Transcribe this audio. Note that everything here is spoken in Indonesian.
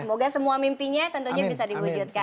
semoga semua mimpinya tentunya bisa diwujudkan